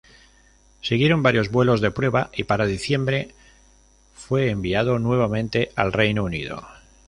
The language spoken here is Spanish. Siguieron varios vuelos de prueba, y para diciembre fue enviado nuevamente al Reino Unido.